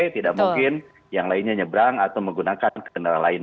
tidak mungkin yang lainnya nyebrang atau menggunakan kendaraan lain